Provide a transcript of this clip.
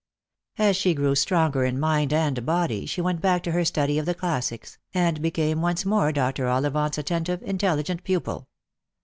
As she grew stronger in mind and body she went back to her study of the classics, and became once more Dr. Ollivant'a attentive, intelligent pupil.